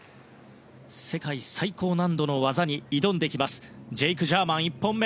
世界最高難度の技に挑むジェイク・ジャーマン、１本目。